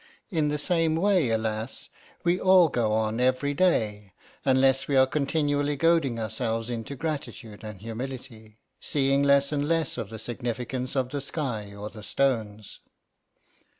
In the same way, alas! we all go on every day, unless we are continually goading ourselves into gratitude and humility, seeing less and less of the significance of the sky or the stones.